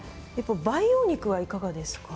培養肉はいかがですか？